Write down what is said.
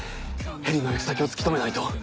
ヘリの行き先を突き止めないと。